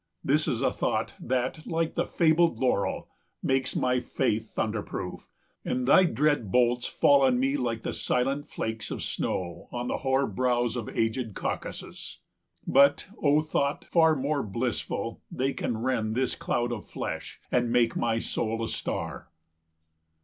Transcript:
This is a thought, that, like the fabled laurel, Makes my faith thunder proof; and thy dread bolts Fall on me like the silent flakes of snow 270 On the hoar brows of aged Caucasus: But, O thought far more blissful, they can rend This cloud of flesh, and make my soul a star!